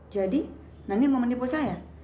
jadi nani mau menipu saya